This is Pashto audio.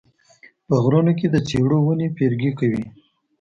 په غرونو کې د څېړو ونې پیرګي کوي